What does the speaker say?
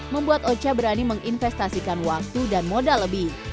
membuat ocha berani menginvestasikan waktu dan modal lebih